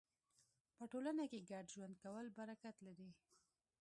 په ټولنه کې ګډ ژوند کول برکت لري.